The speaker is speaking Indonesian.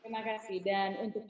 terima kasih dan untuk